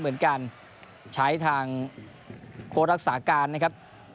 เหมือนกันใช้ทางโค้ดรักษาการนะครับ